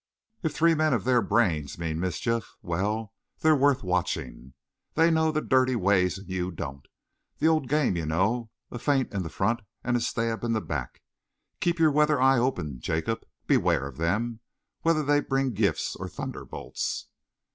"If three men of their brains mean mischief, well, they're worth watching. They know the dirty ways and you don't. The old game, you know a feint in the front and a stab in the back. Keep your weather eye open, Jacob. Beware of them, whether they bring gifts or thunderbolts."